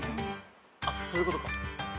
そういうことか。